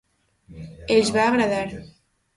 Els va agradar.